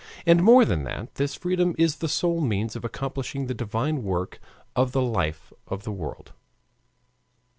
And more than that, this freedom is the sole means of accomplishing the divine work of the life of the world.